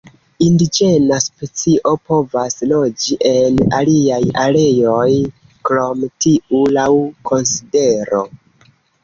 Indiĝena specio povas loĝi en aliaj areoj krom tiu laŭ konsidero.